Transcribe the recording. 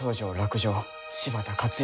柴田勝家